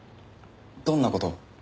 どんな事を？